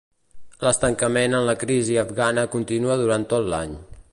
L'estancament en la crisis afgana continua durant tot l'any.